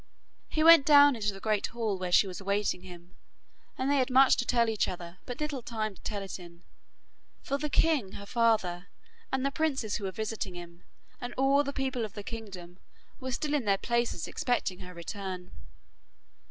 He went down into the great hall where she was awaiting him, and they had much to tell each other but little time to tell it in, for the king her father, and the princes who were visiting him, and all the people of the kingdom were still in their places expecting her return.